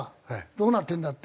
「どうなってんだ」って。